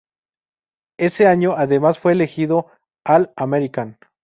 Ese año además fue elegido All-American.